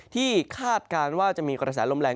คาดการณ์ว่าจะมีกระแสลมแรง